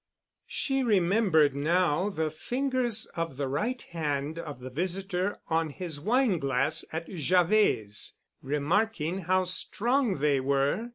She remembered now the fingers of the right hand of the visitor on his wine glass at Javet's, remarking how strong they were.